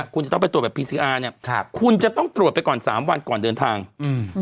คุณจะต้องไปตรวจแบบพีซีอาร์เนี้ยครับคุณจะต้องตรวจไปก่อนสามวันก่อนเดินทางอืม